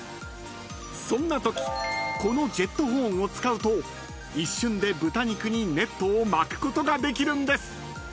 ［そんなときこのジェットホーンを使うと一瞬で豚肉にネットを巻くことができるんです］